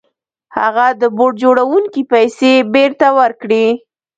هغه د بوټ جوړوونکي پيسې بېرته ورکړې.